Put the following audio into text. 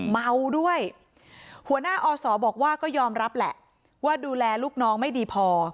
เมาด้วยหัวหน้าอศบอกว่าก็ยอมรับแหละว่าดูแลลูกน้องไม่ดีพอ